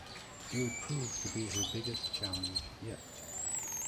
It would prove to be her biggest challenge yet.